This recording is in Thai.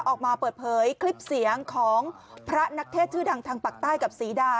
ออกมาเปิดเผยคลิปเสียงของพระนักเทศชื่อดังทางปากใต้กับศรีดา